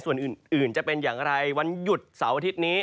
ส่วนอื่นจะเป็นอย่างไรวันหยุดเสาร์อาทิตย์นี้